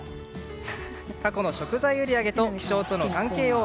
過去の食材売り上げと気象との関係を